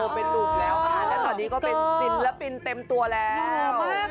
โตเป็นลูกแล้วค่ะแล้วตอนนี้ก็เป็นศิลปินเต็มตัวแล้วหล่อมาก